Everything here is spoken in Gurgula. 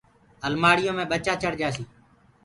المآڙيو مي ٻچآ چڙ جاسيٚ۔